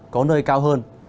có nơi cao hơn